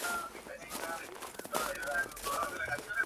El estallido de la Gran Guerra interrumpió sus vacaciones en Londres.